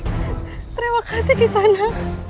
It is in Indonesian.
terima kasih kisana